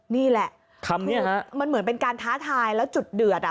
นี่แหละคำนี้มันเหมือนเป็นการท้าทายแล้วจุดเดือดอ่ะ